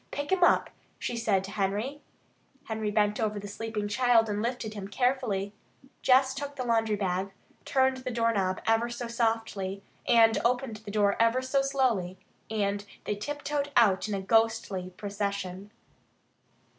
Pick him up," she said to Henry. Henry bent over the sleeping child and lifted him carefully. Jess took the laundry bag, turned the doorknob ever so softly, opened the door ever so slowly, and they tiptoed out in a ghostly procession.